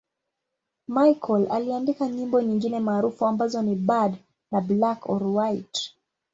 Michael aliandika nyimbo nyingine maarufu ambazo ni 'Bad' na 'Black or White'.